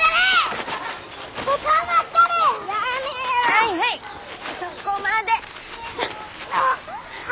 はいはいそこまで。